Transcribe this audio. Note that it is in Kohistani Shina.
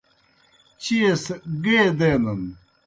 چیئے سہ گیئے دینَن۔